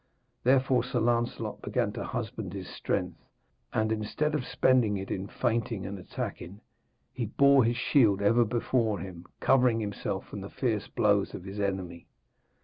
Therefore Sir Lancelot began to husband his strength, and instead of spending it in feinting and attacking, he bore his shield ever before him, covering himself from the fierce blows of his enemy.